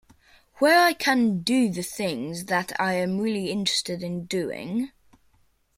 Where I can do the things that I am really interested in doing?